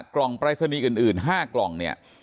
กล่องปรายศนีย์อื่น๕กล่องเนี่ย